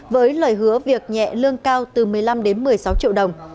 với lời hứa việc nhẹ lương cao từ một mươi năm đến một mươi sáu triệu đồng